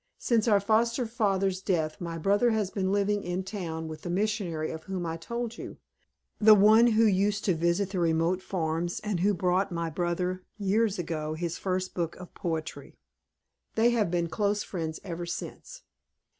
"Since our foster father's death my brother has been living in town with the missionary of whom I told you, the one who used to visit the remote farms and who brought my brother, years ago, his first book of poetry. They have been close friends ever since."